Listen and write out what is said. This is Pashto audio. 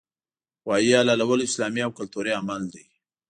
غوايي حلالول یو اسلامي او کلتوري عمل دی